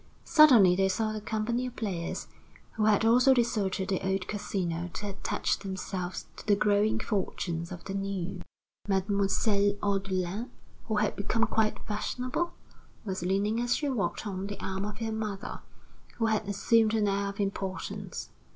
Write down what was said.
Suddenly they saw the company of players, who had also deserted the old Casino, to attach themselves to the growing fortunes of the new. Mademoiselle Odelin, who had become quite fashionable, was leaning as she walked on the arm of her mother, who had assumed an air of importance.